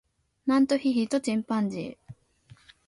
マントヒヒとチンパンジー